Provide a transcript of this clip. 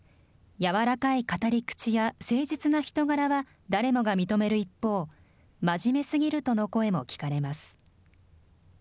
柔らかい語り口や誠実な人柄は、誰もが認める一方、真面目すぎるとの声も聞かれます。